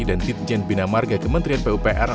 dan dirjen bina marga kementerian pupr